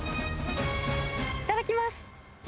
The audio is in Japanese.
いただきます。